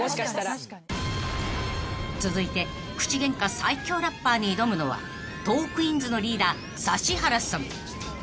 最強ラッパーに挑むのはトークィーンズのリーダー指原さん］